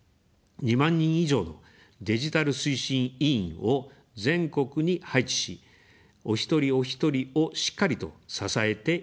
２万人以上のデジタル推進委員を全国に配置し、お一人おひとりをしっかりと支えていきます。